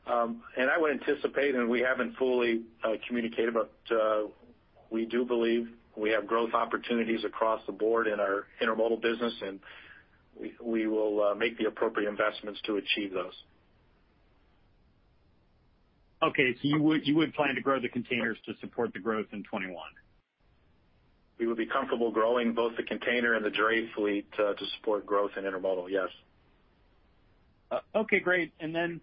And I would anticipate, and we haven't fully communicated, but we do believe we have growth opportunities across the board in our intermodal business, and we will make the appropriate investments to achieve those. Okay, so you would, you would plan to grow the containers to support the growth in 2021? We would be comfortable growing both the container and the dray fleet to support growth in intermodal, yes. And then,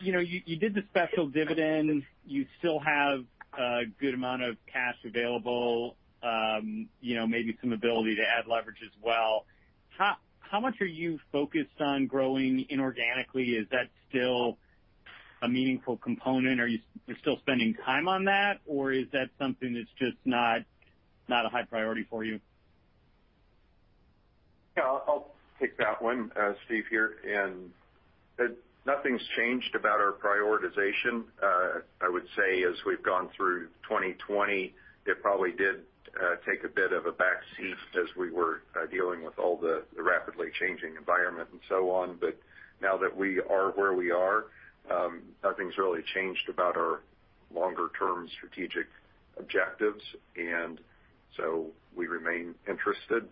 you know, you did the special dividend. You still have a good amount of cash available, you know, maybe some ability to add leverage as well. How much are you focused on growing inorganically? Is that still a meaningful component? Are you still spending time on that, or is that something that's just not a high priority for you? Yeah, I'll take that one. Steve here, and nothing's changed about our prioritization. I would say as we've gone through 2020, it probably did take a bit of a backseat as we were dealing with all the rapidly changing environment and so on. But now that we are where we are, nothing's really changed about our longer-term strategic objectives, and so we remain interested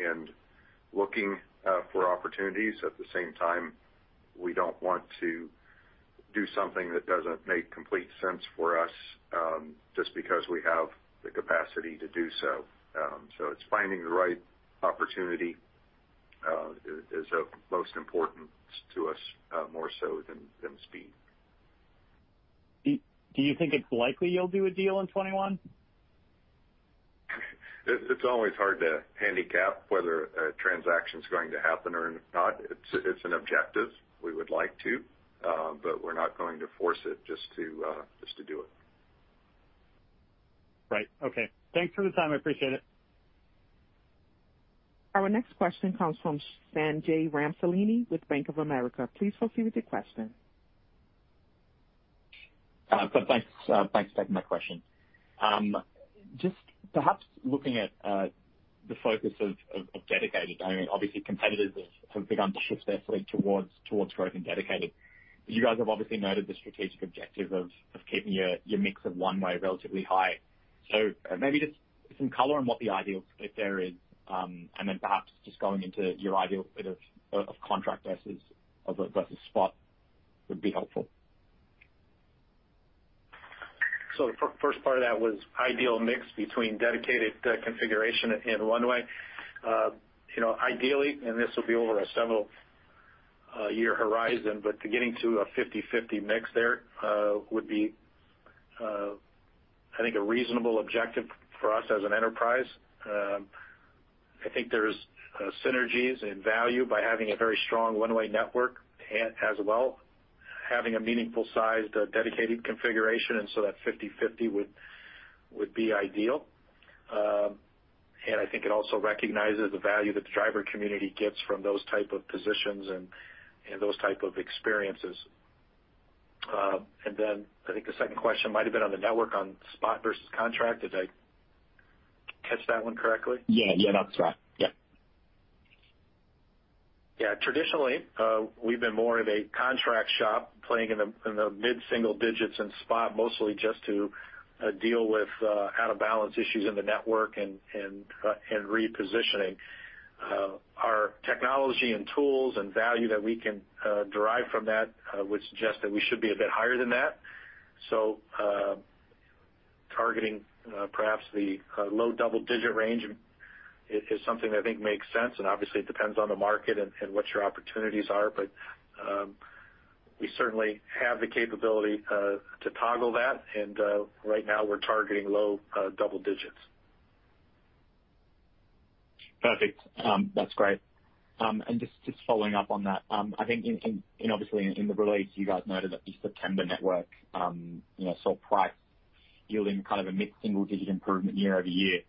and looking for opportunities. At the same time, we don't want to do something that doesn't make complete sense for us just because we have the capacity to do so. So it's finding the right opportunity is of most importance to us more so than speed. Do you think it's likely you'll do a deal in 2021? It's always hard to handicap whether a transaction is going to happen or not. It's an objective. We would like to, but we're not going to force it just to, just to do it. Right. Okay. Thanks for the time. I appreciate it. Our next question comes from Ken Hoexter with Bank of America. Please proceed with your question. So thanks for taking my question. Just perhaps looking at the focus of dedicated, I mean, obviously, competitors have begun to shift their fleet towards growth in dedicated. You guys have obviously noted the strategic objective of keeping your mix of one-way relatively high. So maybe just some color on what the ideal, if there is, and then perhaps just going into your ideal bit of contract versus spot, would be helpful. So the first part of that was ideal mix between dedicated configuration and one-way. You know, ideally, and this will be over a several-year horizon, but getting to a 50/50 mix there would be, I think, a reasonable objective for us as an enterprise. I think there's synergies and value by having a very strong one-way network as well... having a meaningful-sized dedicated configuration, and so that 50/50 would be ideal. And I think it also recognizes the value that the driver community gets from those type of positions and those type of experiences. And then I think the second question might have been on the network, on spot versus contract. Did I catch that one correctly? Yeah. Yeah, that's right. Yeah. Yeah, traditionally, we've been more of a contract shop, playing in the mid-single digits in spot, mostly just to deal with out-of-balance issues in the network and repositioning. Our technology and tools, and value that we can derive from that would suggest that we should be a bit higher than that. So, targeting perhaps the low double-digit range is something that I think makes sense, and obviously, it depends on the market and what your opportunities are. But, we certainly have the capability to toggle that, and right now we're targeting low double digits. Perfect. That's great. And just, just following up on that, I think in, in, obviously, in the release, you guys noted that the September network, you know, saw price yielding kind of a mid-single digit improvement year-over-year.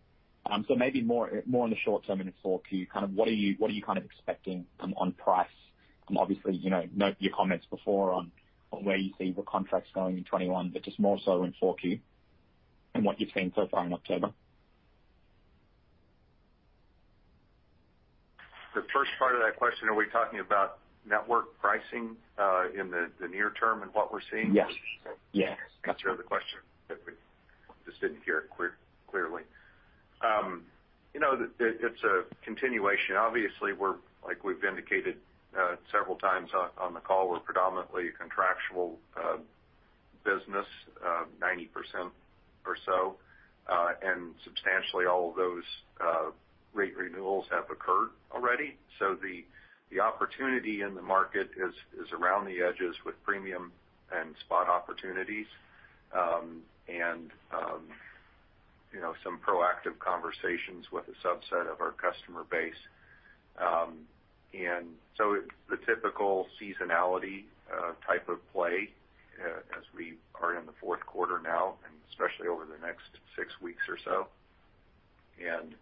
So maybe more, more in the short term and in 4Q, kind of what are you, what are you kind of expecting on, on price? Obviously, you know, note your comments before on, on where you see the contracts going in 2021, but just more so in 4Q and what you've seen so far in October. The first part of that question, are we talking about network pricing, in the near term and what we're seeing? Yes. Yes, that was the question. We just didn't hear it clearly. You know, it's a continuation. Obviously, we're, like we've indicated, several times on the call, we're predominantly a contractual business, 90% or so, and substantially all of those rate renewals have occurred already. So the opportunity in the market is around the edges with premium and spot opportunities, and you know, some proactive conversations with a subset of our customer base. And so the typical seasonality type of play, as we are in the fourth quarter now, and especially over the next six weeks or so, and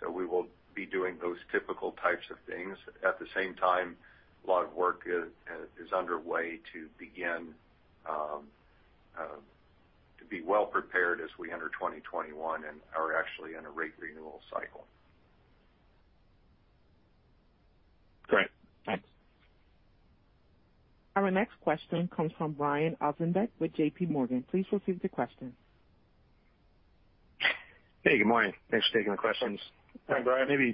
so we will be doing those typical types of things. At the same time, a lot of work is underway to be well prepared as we enter 2021 and are actually in a rate renewal cycle. Great. Thanks. Our next question comes from Brian Ossenbeck with JPMorgan. Please proceed with your question. Hey, good morning. Thanks for taking the questions. Hi, Brian. How are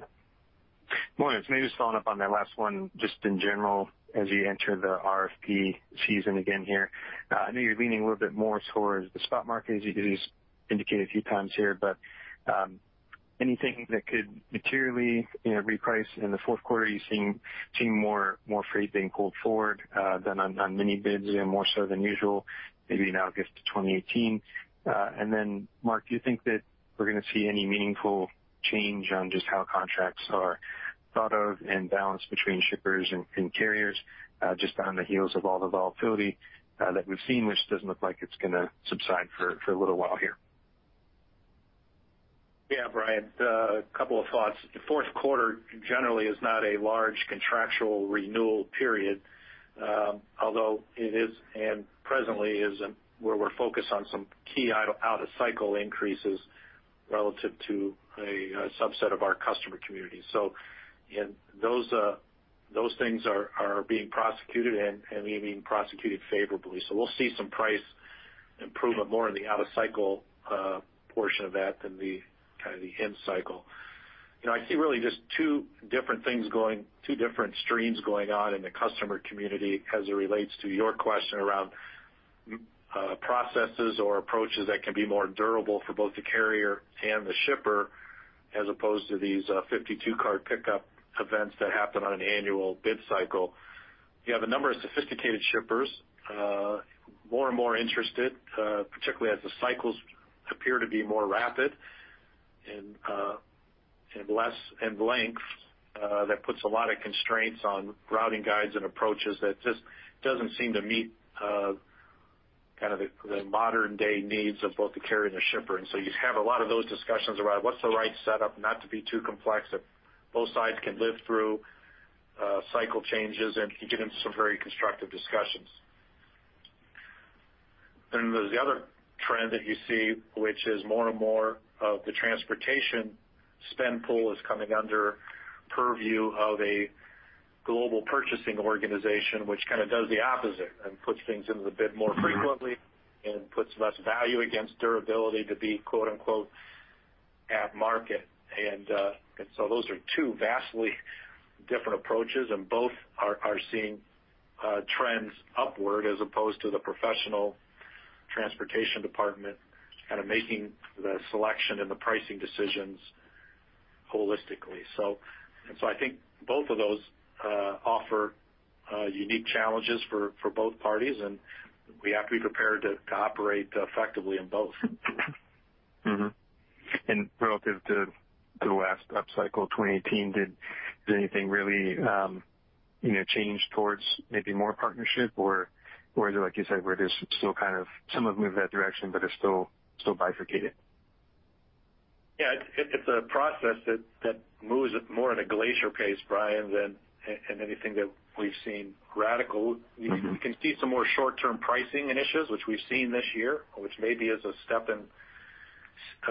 you? Morning. Maybe just following up on that last one, just in general, as you enter the RFP season again here, I know you're leaning a little bit more towards the spot market, as you just indicated a few times here, but anything that could materially, you know, reprice in the fourth quarter. You're seeing more freight being pulled forward than on many bids, and more so than usual, maybe now August, 2018? And then, Mark, do you think that we're going to see any meaningful change on just how contracts are thought of and balanced between shippers and carriers, just on the heels of all the volatility that we've seen, which doesn't look like it's going to subside for a little while here? Yeah, Brian, a couple of thoughts. The fourth quarter generally is not a large contractual renewal period, although it is, and presently is where we're focused on some key out-of-cycle increases relative to a subset of our customer community. So, and those things are being prosecuted, and they're being prosecuted favorably. So we'll see some price improvement more in the out-of-cycle portion of that than the kind of the in cycle. You know, I see really just two different things going, two different streams going on in the customer community as it relates to your question around processes or approaches that can be more durable for both the carrier and the shipper, as opposed to these 52-card pickup events that happen on an annual bid cycle. You have a number of sophisticated shippers, more and more interested, particularly as the cycles appear to be more rapid and, and less in length, that puts a lot of constraints on routing guides and approaches that just doesn't seem to meet, kind of the, the modern-day needs of both the carrier and the shipper. And so you have a lot of those discussions around what's the right setup, not to be too complex, that both sides can live through, cycle changes, and you get into some very constructive discussions. Then there's the other trend that you see, which is more and more of the transportation spend pool is coming under purview of a global purchasing organization, which kind of does the opposite and puts things into the bid more frequently and puts less value against durability to be, quote unquote, "at market." And so those are two vastly different approaches, and both are seeing trends upward as opposed to the professional transportation department kind of making the selection and the pricing decisions holistically. So I think both of those offer unique challenges for both parties, and we have to be prepared to operate effectively in both. Mm-hmm. And relative to, to the last upcycle, 2018, did, did anything really, you know, change towards maybe more partnership or, or like you said, where there's still kind of some have moved that direction but are still, still bifurcated? Yeah, it's a process that moves more at a glacial pace, Brian, than anything that we've seen radical. Mm-hmm. We can see some more short-term pricing initiatives, which we've seen this year, which maybe is a step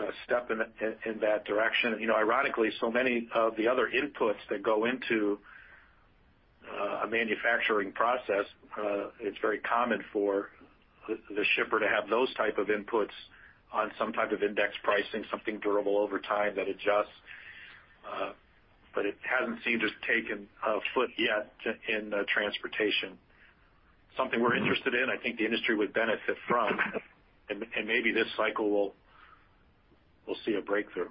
in that direction. You know, ironically, so many of the other inputs that go into a manufacturing process, it's very common for the shipper to have those types of inputs on some type of index pricing, something durable over time that adjusts. But it hasn't seemed to have taken foot yet in transportation. Something we're interested in, I think the industry would benefit from, and maybe this cycle will see a breakthrough.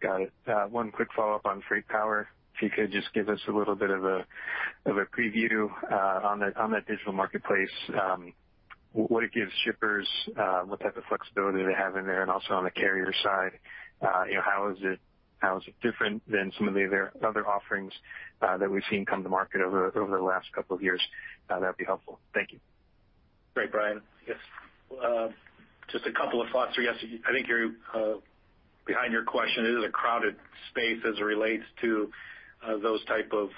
Got it. One quick follow-up on FreightPower. If you could just give us a little bit of a preview on that digital marketplace, what it gives shippers, what type of flexibility they have in there, and also on the carrier side, you know, how is it different than some of the other offerings that we've seen come to market over the last couple of years? That'd be helpful. Thank you. Great, Brian. Yes, just a couple of thoughts there. Yes, I think you're behind your question, it is a crowded space as it relates to those type of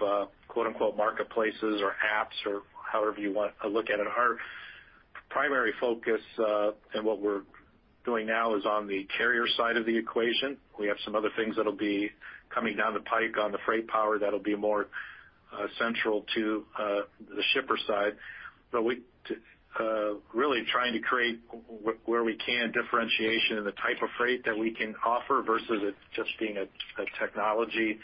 quote-unquote marketplaces or apps or however you want to look at it. Our primary focus and what we're doing now is on the carrier side of the equation. We have some other things that'll be coming down the pike on the FreightPower that'll be more central to the shipper side. But we really trying to create where we can differentiation in the type of freight that we can offer, versus it just being a technology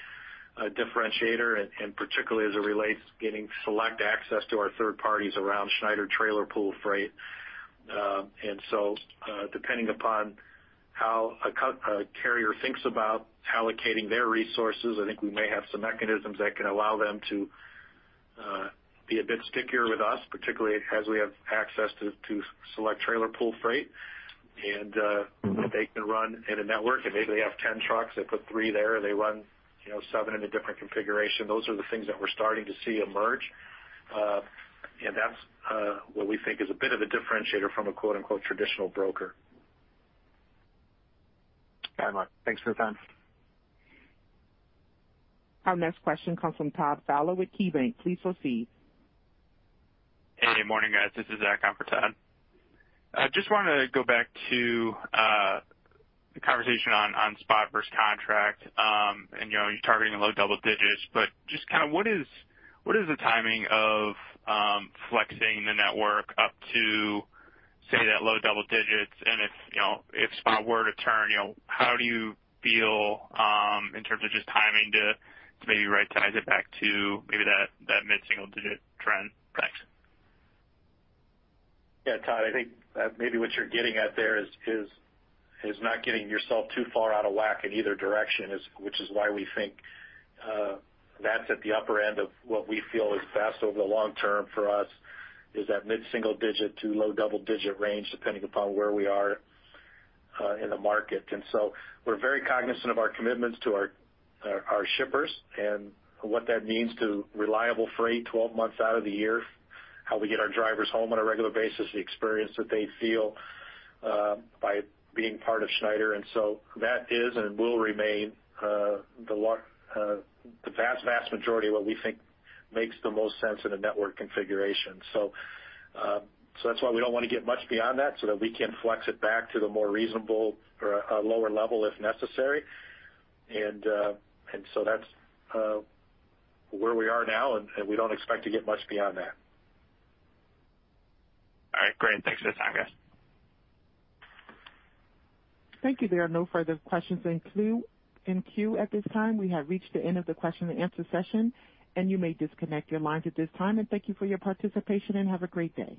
differentiator, and particularly as it relates getting select access to our third parties around Schneider trailer pool freight. And so, depending upon how a carrier thinks about allocating their resources, I think we may have some mechanisms that can allow them to be a bit stickier with us, particularly as we have access to select trailer pool freight. Mm-hmm. They can run in a network, and maybe they have 10 trucks, they put 3 there, they run, you know, 7 in a different configuration. Those are the things that we're starting to see emerge. And that's what we think is a bit of a differentiator from a quote-unquote, traditional broker. Got it, Mark. Thanks for the time. Our next question comes from Todd Fowler with KeyBanc. Please proceed. Hey, good morning, guys. This is Zach on for Todd. I just wanted to go back to the conversation on spot versus contract. And, you know, you're targeting in low double digits, but just kind of what is the timing of flexing the network up to, say, that low double digits? And if, you know, if spot were to turn, you know, how do you feel in terms of just timing to maybe right-size it back to maybe that mid-single digit trend? Thanks. Yeah, Zach, I think, maybe what you're getting at there is not getting yourself too far out of whack in either direction, which is why we think, that's at the upper end of what we feel is best over the long term for us, is that mid-single digit to low double-digit range, depending upon where we are, in the market. And so we're very cognizant of our commitments to our shippers and what that means to reliable freight 12 months out of the year, how we get our drivers home on a regular basis, the experience that they feel, by being part of Schneider. And so that is and will remain, the vast, vast majority of what we think makes the most sense in a network configuration. So that's why we don't want to get much beyond that, so that we can flex it back to the more reasonable or a lower level, if necessary. And so that's where we are now, and we don't expect to get much beyond that. All right, great. Thanks for the time, guys. Thank you. There are no further questions in queue, in queue at this time. We have reached the end of the question and answer session, and you may disconnect your lines at this time. Thank you for your participation, and have a great day.